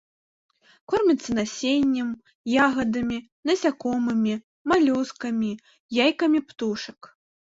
Корміцца насеннем, ягадамі, насякомымі, малюскамі, яйкамі птушак.